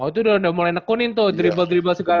oh itu udah mulai tekunin tuh dribble dribble suka rata